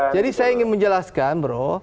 jadi saya ingin menjelaskan bro